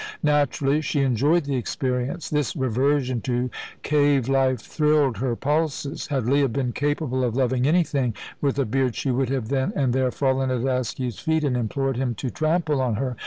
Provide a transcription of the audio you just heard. Naturally, she enjoyed the experience. This reversion to cave life thrilled her pulses. Had Leah been capable of loving anything with a beard she would have then and there fallen at Askew's feet and implored him to trample on her.